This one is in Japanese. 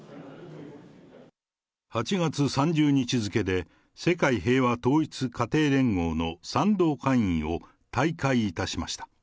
８月３０日付で世界平和統一家庭連合の賛同会員を退会いたしました。